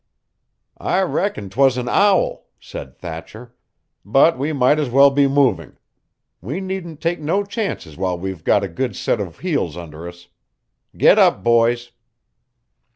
"I reckon 'twas an owl," said Thatcher; "but we might as well be moving. We needn't take no chances while we've got a good set of heels under us. Get up, boys."